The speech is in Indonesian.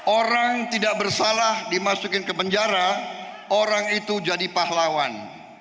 orang tidak bersalah dimasukin ke penjara orang itu jadi pahlawan